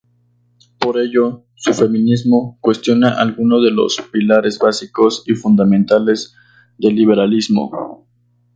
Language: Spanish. Por ello, su feminismo cuestiona algunos de los pilares básicos y fundamentales del liberalismo.